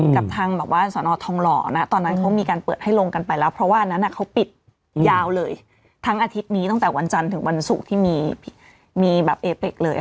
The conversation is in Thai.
กับทางแบบว่าสอนอทองหล่อนะตอนนั้นเขามีการเปิดให้ลงกันไปแล้วเพราะว่าอันนั้นเขาปิดยาวเลยทั้งอาทิตย์นี้ตั้งแต่วันจันทร์ถึงวันศุกร์ที่มีแบบเอเป็กเลย